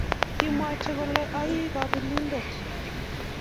Kimwaita kole oi kobelindet